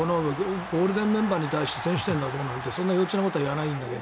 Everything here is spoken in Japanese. ゴールデンメンバーに対して先取点だぞみたいなことそんなことは言わないんですが。